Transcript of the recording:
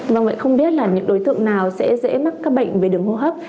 vâng vậy không biết là những đối tượng nào sẽ dễ mắc các bệnh về đường hô hấp